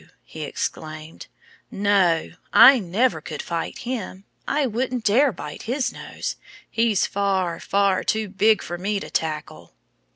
he exclaimed. "No! I never could fight him. I wouldn't dare bite his nose. He's far, far too big for me to tackle."